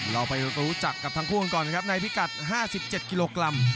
เราไปรู้จักกับทั้งคู่กันก่อนนะครับในพิกัด๕๗กิโลกรัม